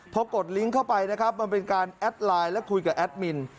พอกดลิงก์เข้าไปนะครับมันเป็นการแอดไลน์และคุยกับแอดมิน